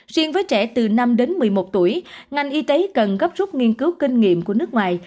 riêng với trẻ từ năm đến một mươi một tuổi ngành y tế cần gấp rút nghiên cứu kinh nghiệm của nước ngoài